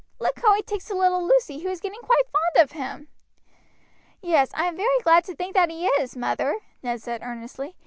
Look how he takes to little Lucy, who is getting quite fond of him." "Yes, I am very glad to think that he is, mother," Ned said earnestly.